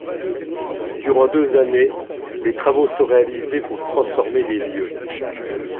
Durant deux années, les travaux sont réalisés pour transformer les lieux.